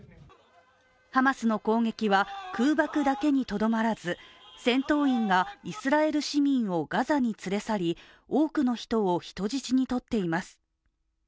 ハマスの攻撃は空爆だけにとどまらず戦闘員がイスラエル市民をガザに連れ去り多くの人を人質に取っています。